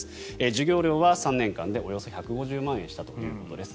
授業料は３年間でおよそ１５０万円したということです。